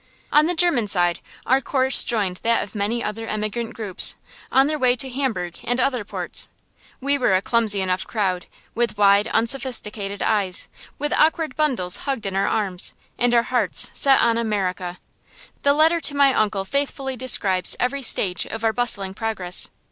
On the German side our course joined that of many other emigrant groups, on their way to Hamburg and other ports. We were a clumsy enough crowd, with wide, unsophisticated eyes, with awkward bundles hugged in our arms, and our hearts set on America. The letter to my uncle faithfully describes every stage of our bustling progress.